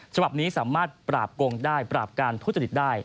ฉบับนี้สามารถปราบโกงได้ปราบการทุจริตได้